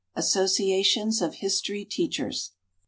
Associations of History Teachers.